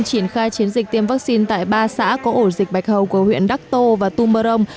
triển khai chiến dịch tiêm vaccine tại ba xã có ổ dịch bạch hầu của huyện đắc tô và tum bờ rông